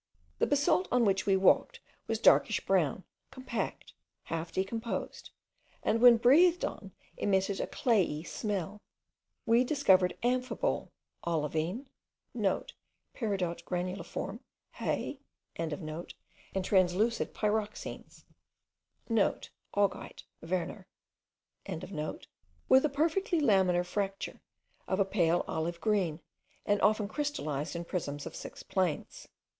The basalt on which we walked was darkish brown, compact, half decomposed, and when breathed on, emitted a clayey smell. We discovered amphibole, olivine,* (* Peridot granuliforme. Hauy.) and translucid pyroxenes, *(* Augite. Werner.) with a perfectly lamellar fracture, of a pale olive green, and often crystallized in prisms of six planes.